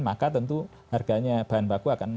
maka tentu harganya bahan baku akan